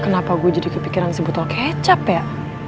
kenapa gue jadi kepikiran si botol kecap ya